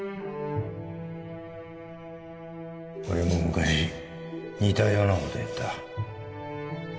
俺も昔似たようなことをやった